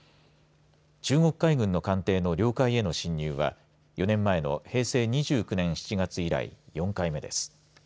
中国海軍の艦艇の領海の侵入は４年前の平成２９年７月以来４回目です。